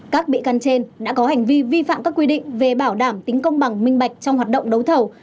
các bị can trên đã có hành vi vi phạm các quy định về bảo đảm tính công bằng minh bạch trong hoạt động đấu thầu